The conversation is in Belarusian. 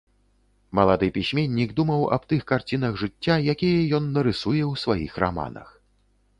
Малады пісьменнік думаў аб тых карцінах жыцця, якія ён нарысуе ў сваіх раманах.